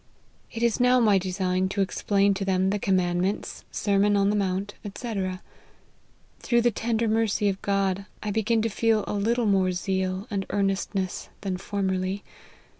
It is now my design to 36 LIFE OF HENRY MARTYN. explain to them the Commandments, Sermon on the Mount, &c." " Through the tender mercy of God, I begin to feel a little more zeal and earnest ness than formerly.